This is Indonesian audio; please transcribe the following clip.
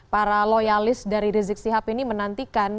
para loyalis dari rizik sihab ini menantikan